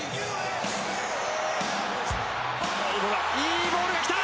いいボールが来た！